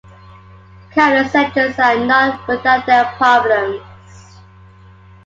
Camless engines are not without their problems.